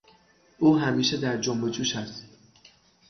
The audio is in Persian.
او همیشه در جنب و جوش است.